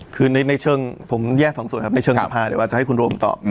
คือในเชิงผมแยกสองส่วนครับในเชิงสภาเดี๋ยวว่าจะให้คุณรวมตอบ